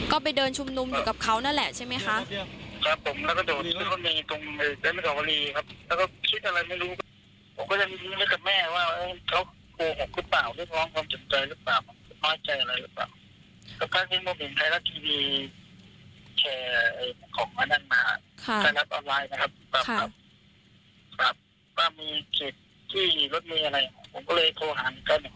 ก็ไปเดินชุมนุมอยู่กับเขานั่นแหละใช่ไหมคะ